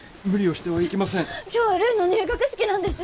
今日はるいの入学式なんです。